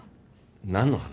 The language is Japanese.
何の話？